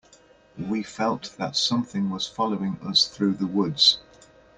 We felt that something was following us through the woods.